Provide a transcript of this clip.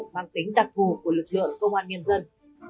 mang tính đặc vụ của lực lượng công an nhân dân